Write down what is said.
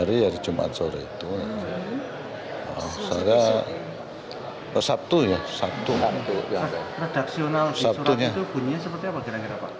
redaksional surat itu bunyinya seperti apa kira kira pak